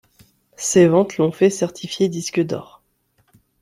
Ses ventes l'on fait certifié disque d'or.